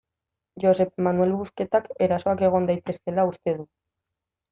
Josep Manel Busquetak erasoak egon daitezkeela uste du.